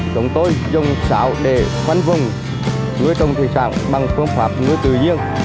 chúng tôi dùng sảo để phân vùng người trong thị sản bằng phương pháp người tự nhiên